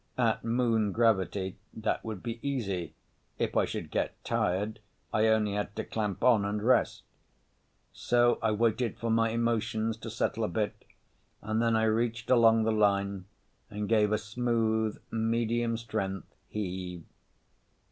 At moon gravity that would be easy. If I should get tired I only had to clamp on and rest. So I waited for my emotions to settle a bit, and then I reached along the line and gave a smooth, medium strength heave.